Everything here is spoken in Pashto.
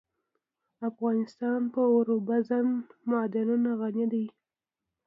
افغانستان په اوبزین معدنونه غني دی.